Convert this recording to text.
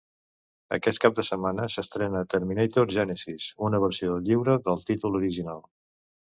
Aquest cap de setmana s’estrena ‘Terminator Génesis’, una versió lliure del títol original.